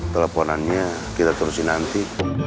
teleponannya kita terusin nanti